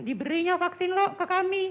diberinya vaksin kok ke kami